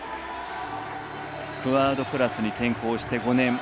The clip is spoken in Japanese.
クアードクラスに転向して５年。